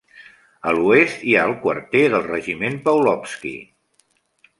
A l'oest hi ha el quarter del regiment Pavlovsky.